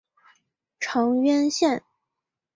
长渊线